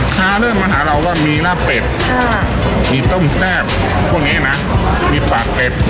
ค้าเริ่มมาหาเราว่ามีราบเป็ดค่ะมีต้มแซ่บพวกเนี้ยน่ะมีปากเป็ด